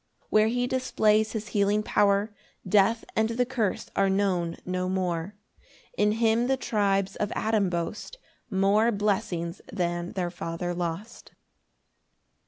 7 [Where he displays his healing power, Death and the curse are known no more; In him the tribes of Adam boast More blessings than their father lost.